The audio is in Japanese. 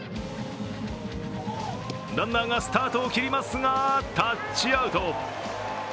ランナーがスタートを切りますが、タッチアウト。